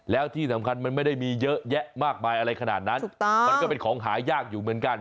แล้วที่สำคัญมันไม่ได้มีเยอะแยะมากมายอะไรขนาดนั้นถูกต้องมันก็เป็นของหายากอยู่เหมือนกัน